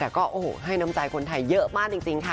ก็โอ้โหให้น้ำใจคนไทยเยอะมากจริงค่ะ